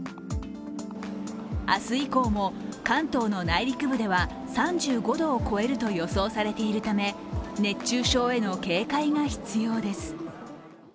明日以降も、関東の内陸部では３５度を超えると予想されているため、熱中症への警戒が必要です。